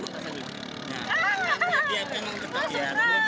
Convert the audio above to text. katanya kanan begini putar tadi